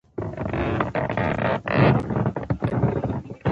کندهار یوه ځوان د پایلوچانو په باب څیړنه کړې.